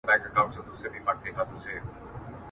د يونان هېټرا ، د جاپان گېشا